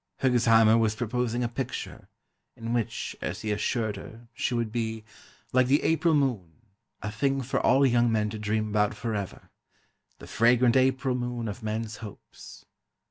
Hergesheimer was proposing a picture, in which, as he assured her, she would be "like the April moon, a thing for all young men to dream about forever ... the fragrant April moon of men's hopes